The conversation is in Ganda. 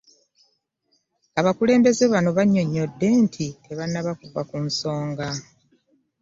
Abakulembeze bano bannyonnyodde nti tebannaba kuva ku nsonga.